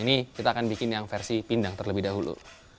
ini kita akan bikin yang versi pindang terlebih dahulu